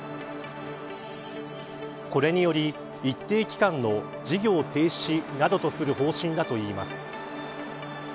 これにより、一定期間の事業停止などとする方針だといいます。